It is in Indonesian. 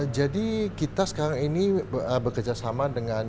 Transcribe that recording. jadi kita sekarang ini bekerjasama dengan